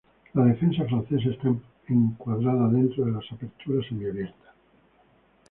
La defensa francesa está encuadrada dentro de las aperturas semiabiertas.